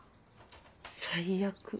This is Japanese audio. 最悪。